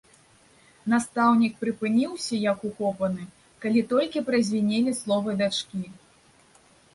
Настаўнік прыпыніўся як укопаны, калі толькі празвінелі словы дачкі.